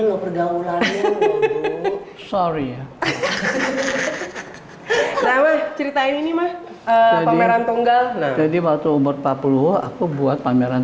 oh pergaulan sorry ya saya ceritain ini mah pameran tunggal jadi waktu umur empat puluh aku buat pameran